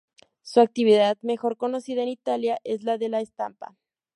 Su actividad mejor conocida en Italia es la de la estampa.